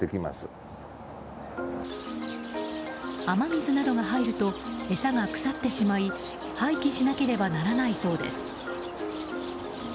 雨水などが入ると餌が腐ってしまい廃棄しなければならないそうです。